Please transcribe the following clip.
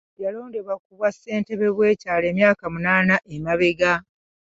Yalondebwa ku bwa ssentebe w'ekyalo emyaka munaana emabega.